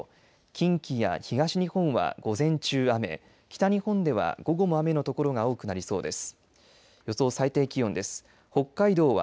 近畿や東日本は午前中、雨北日本では午後も雨の所が多くなりそうです。